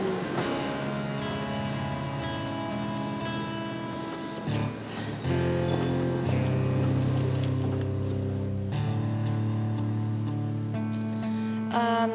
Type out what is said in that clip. semuanya aku mau ikutan